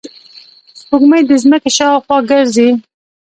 سپوږمۍ د ځمکې شاوخوا ګرځي